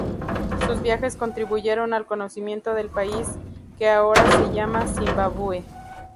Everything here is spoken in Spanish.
Sus viajes contribuyeron al conocimiento del país que ahora se llama Zimbabue.